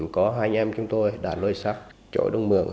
có hai anh em chúng tôi đã lôi sắt chỗ đông mường